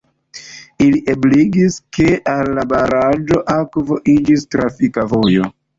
Ili ebligis, ke el la baraĵo akvo iĝis trafika vojo.